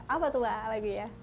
apa tuh mbak lagi ya